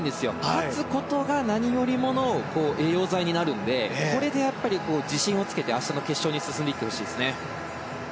勝つことが何よりもの栄養剤になるのでこれで自信をつけて明日の決勝に進んでいってほしいですね。